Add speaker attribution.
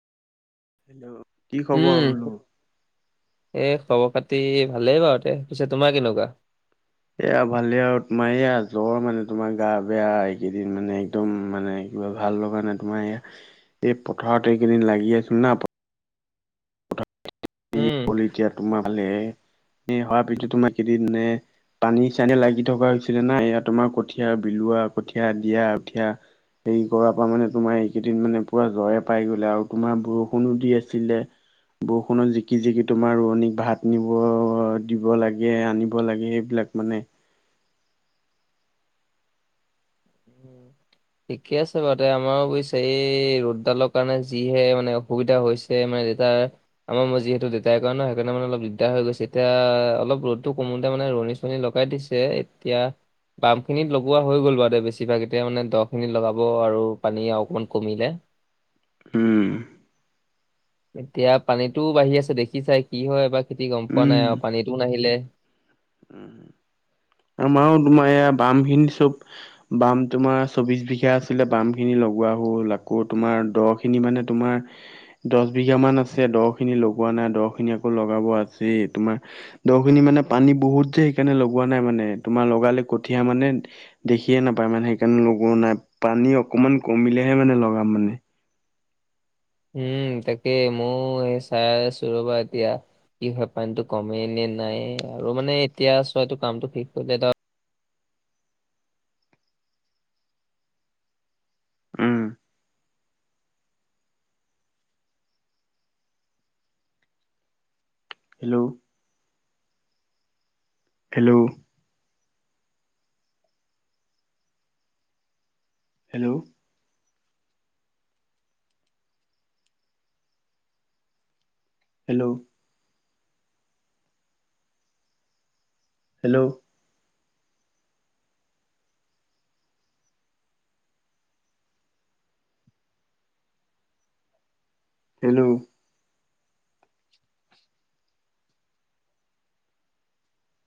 Speaker 1: Hello.
Speaker 2: উম এ খবৰ খাতি ভালেই বাৰু তে পিছে তোমাৰ কেনেকুৱা?
Speaker 1: এইয়া ভালে আৰু তোমাৰ এইয়া জ্বৰ মানে তোমাৰ গা বেয়া এইকেইদিন মানে। একদম মানে কিবা ভাল লগা নাই তোমাৰ ইয়া এই পথাৰত এইকেইদিন লাগি আছো না। পথাৰ
Speaker 2: উম।
Speaker 1: এতিয়া তোমাৰ ভালে এ তোমাৰ কেইদিননে। পানী চানী লাগি থকা হৈছিলে না ইয়া তোমাৰ কঠীয়া বিলোৱা কঠীয়া দিয়া কঠিয়া। হেৰি কৰাৰ পৰা মানে তোমাৰ এইকেইদিন মানে পুৰা জ্বৰে পাই গ'লে আৰু তোমাৰ বৰষুণো দি আছিলে। বৰষুণত জিক। যিকি যিকি তোমাৰ ৰোৱনীক ভাত নিব দিব লাগে আনিব লাগে সেইবিলাক মানে।
Speaker 2: উম। ঠিকে আছে বাৰু দে আমাৰো বুজিছা এই ৰ'দডালৰ কাৰণে যিহে মানে অসুবিধা হৈছে। এ মাজে তাৰ। আমাৰ মই যিহেতু দেউতাৰ কৰে ন সেইকাৰণে অলপ দিগদাৰ হৈ গৈছে এতিয়া অলপ ৰ'দটো কমোতে মানে ৰুৱনী। লগাই দিছে এতিয়া বাম খিনিত লগোৱা হৈ গ'ল বাৰু দে বেছিভাগ এ মানে দহ। খিনি লগাব আৰু পানী অকণমান কমিলে।
Speaker 1: উম।
Speaker 2: এতিয়া পানীটোও বাঢ়ি আছে দেখি চাই কি হয় এবাৰ খেতি গম পোৱা নাই আৰু পানীতোও নাহিলে।
Speaker 1: উম। আমাৰো তোমাৰ এয়া বামখিনি চব বাম তোমাৰ চৌবিশ বিঘা আছিলে বাম খিনি লগোৱা হ'ল আকৌ তোমাৰ দ খিনি মানে তোমাৰ দহ বিঘা মান আছে দ খিনি লগোৱা নাই দ খিনি আকৌ লগাব আছেই তোমাৰ দ খিনি মানে পানী বহুত যে সেইকাৰণে লগোৱা নাই মানে, তোমাৰ লগালে কঠিয়া মানে দেখিয়ে নাপায় মানে সেইকাৰণে লগোৱা নাই পানী অকণমান কমিলেহে মানে লগাম মানে
Speaker 2: উম তাকে মোও সেই চাই আছো ৰবা এতিয়া কি হয় পানীটো কমে নে নাই আৰু মানে এতিয়া চোৱাটো কামটো শেষ কৰিলে ত
Speaker 1: উম, hello hello hello hello hello hello